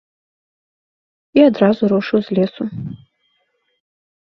І адразу рушыў з лесу.